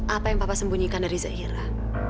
apa yang bapak sembunyikan dari zahira